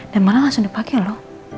dan malah langsung dipake lho